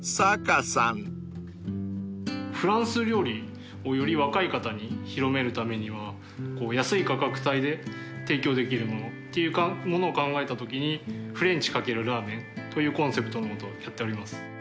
フランス料理をより若い方に広めるためには安い価格帯で提供できるものっていうものを考えたときにフレンチ掛けるラーメンというコンセプトのもとやっております。